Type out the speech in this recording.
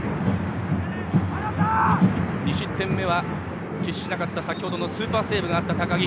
２失点目は喫しなかった先ほどのスーパーセーブがあった高木。